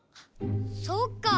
そっか。